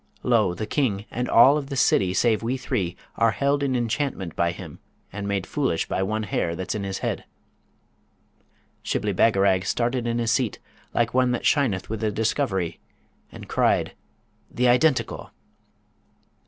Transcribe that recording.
Lo! the King, and all of this city save we three, are held in enchantment by him, and made foolish by one hair that's in his head.' Shibli Bagarag started in his seat like one that shineth with a discovery, and cried, 'The Identical!'